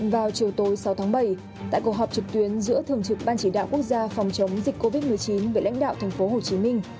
vào chiều tối sáu tháng bảy tại cuộc họp trực tuyến giữa thường trực ban chỉ đạo quốc gia phòng chống dịch covid một mươi chín về lãnh đạo tp hcm